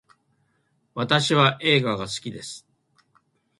私は映画が好きです